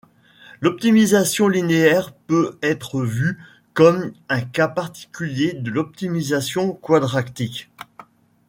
L'optimisation linéaire peut être vue comme un cas particulier de l'optimisation quadratique.